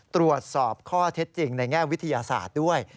ตรวจสอบข้อเท็จจริงในแง่วิทยาศาสตร์ด้วย